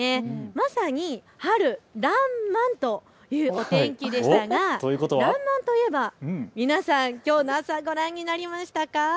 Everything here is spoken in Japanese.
まさに春らんまんという天気でしたがらんまんといえば皆さん、きょうの朝ご覧になりましたか。